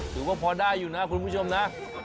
ถือว่าพอได้อยู่นะคุณผู้ชมนะ